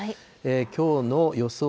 きょうの予想